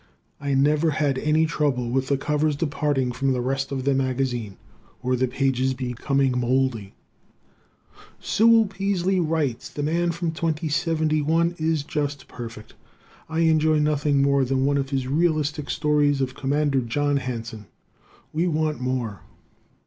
I have never had any trouble with the covers departing from the rest of the magazine or the pages becoming moldy. Sewell Peaslee Wright's "The Man from 2071" is just perfect. I enjoy nothing more than one of his realistic stories of Commander John Hanson. We want more!